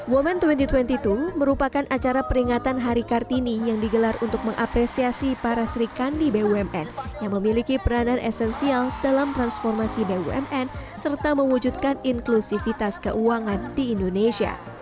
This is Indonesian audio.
women dua ribu dua puluh dua merupakan acara peringatan hari kartini yang digelar untuk mengapresiasi para sri kandi bumn yang memiliki peranan esensial dalam transformasi bumn serta mewujudkan inklusivitas keuangan di indonesia